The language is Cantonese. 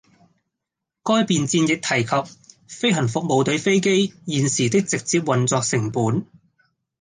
該便箋亦提及飛行服務隊飛機現時的直接運作成本